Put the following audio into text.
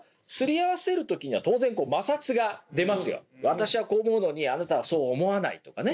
私はこう思うのにあなたはそう思わないとかね。